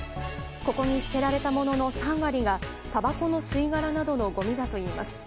ここに捨てられたものの３割がたばこの吸い殻などのごみだといいます。